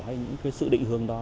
hay những cái sự định hướng đó